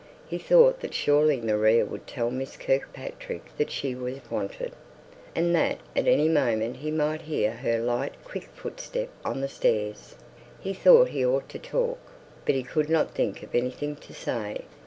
He thought that surely Maria would tell Miss Kirkpatrick that she was wanted, and that at any moment he might hear her light quick footstep on the stairs. He felt he ought to talk, but he could not think of anything to say.